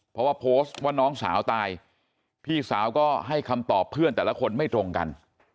เพราะว่าโพสต์ว่าน้องสาวตายพี่สาวก็ให้คำตอบเพื่อนแต่ละคนไม่ตรงกัน